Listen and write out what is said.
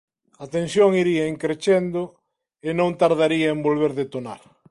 A tensión iría "in crescendo" e non tardaría en volver detonar.